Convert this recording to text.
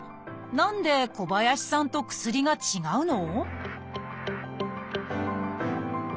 何で小林さんと薬が違うの？